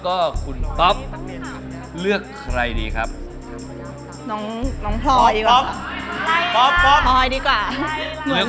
ก็เหมือนเรียนเรียนกรงเรียน